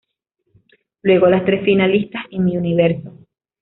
Luego las tres finalistas y Miss Universo.